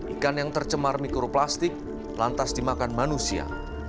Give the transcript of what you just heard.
ikan yang tercemar mikroplastik lantas dimakan manusia